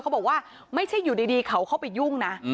บอกว่าไม่ใช่อยู่ดีเขาเข้าไปยุ่งนะ